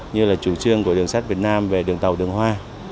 như là chủ trương của đường sắt việt nam về đường tàu đường hoa